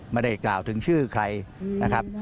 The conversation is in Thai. ไม่ได้กล่าวถึงชื่อใครนะครับ